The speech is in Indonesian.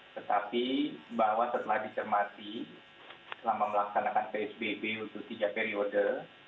tetapi bahwa setelah dicermati selama melaksanakan psbb untuk tiga periode